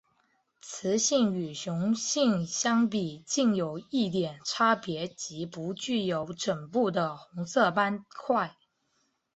雌性与雄性相比近有一点差别即不具有枕部的红色斑块。